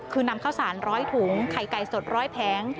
คือนำข้าวสารร้อยถุงไข่ไก่สดร้อยแพง